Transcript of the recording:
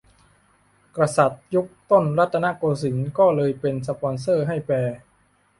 กษัตริย์ยุคต้นรัตนโกสินทร์ก็เลยเป็นสปอนเซอร์ให้แปล